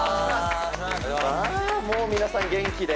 もう皆さん元気で。